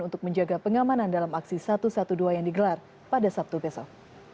untuk menjaga pengamanan dalam aksi satu ratus dua belas yang digelar pada sabtu besok